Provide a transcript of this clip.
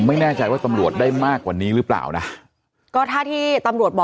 ขอโทษนะครับขอโทษนะครับขอโทษนะครับขอโทษนะครับขอโทษนะครับ